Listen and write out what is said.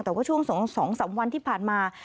แต่ว่าช่วง๒๓วันที่ผ่านมา